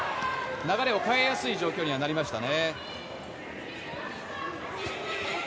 流れを変えやすい状況にはなりましたね。